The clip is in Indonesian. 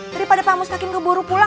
daripada pamus kakin keburu pulang